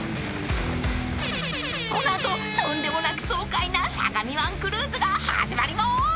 ［この後とんでもなく爽快な相模湾クルーズが始まりまーす］